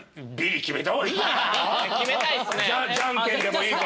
じゃんけんでもいいから。